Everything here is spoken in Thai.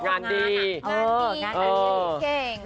งานดีเก่ง